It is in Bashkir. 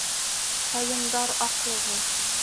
Ҡайындар аҡлығы